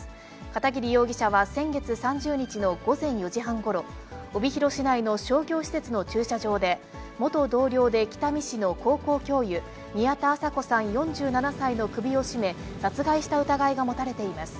片桐容疑者は先月３０日の午前４時半ごろ、帯広市内の商業施設の駐車場で、元同僚で北見市の高校教諭、宮田麻子さん４７歳の首を絞め、殺害した疑いが持たれています。